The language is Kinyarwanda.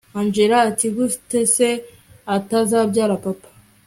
angella ati gute se atazabyanga papa